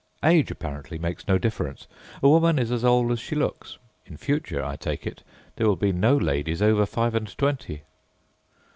Age, apparently, makes no difference. A woman is as old as she looks. In future, I take it, there will be no ladies over five and twenty.